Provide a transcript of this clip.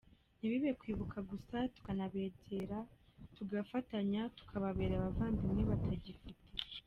Ntibibe kwibuka gusa, tukanabegera, tugafatanya tukababera abavandimwe batagifite.